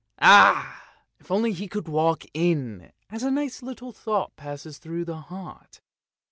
Ah! if only he could walk in, as a nice little thought passes through the heart!